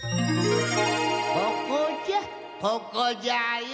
ここじゃここじゃよ。